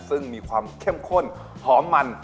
ซึ่งมีความเข้มข้นหอมมัน